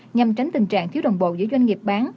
nhằm tránh tình trạng thiếu đồng bộ giữa doanh nghiệp bán